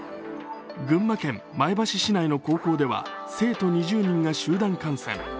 群馬県前橋市内の高校では生徒２０人が集団感染。